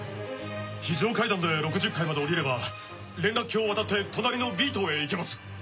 非常階段で６０階まで下りれば連絡橋を渡って隣のＢ塔へ行けます。